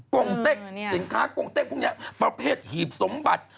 กงเต็กสินค้ากงเต็กพวกนี้ประเภทหีบสมบัติ